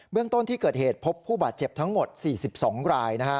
เรื่องต้นที่เกิดเหตุพบผู้บาดเจ็บทั้งหมด๔๒ราย